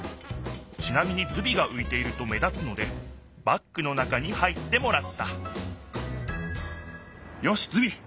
ちなみにズビがういていると目立つのでバッグの中に入ってもらったよしズビ！